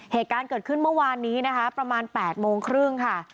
เหตุการณ์เกิดขึ้นเมื่อวานนี้นะคะประมาณ๘โมงครึ่งค่ะ